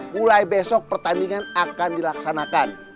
mulai besok pertandingan akan dilaksanakan